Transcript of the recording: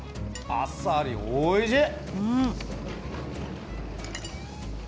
あさりおいしい。